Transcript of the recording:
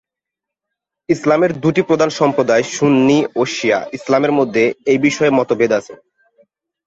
ইসলামের দুটি প্রধান সম্প্রদায় সুন্নি ও শিয়া ইসলামের মধ্যে এই বিষয়ে মতভেদ আছে।